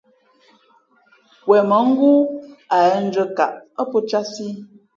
̈wen mα̌ ngóó a ghěn ndʉ̄αkaʼ ά pō cātsī í .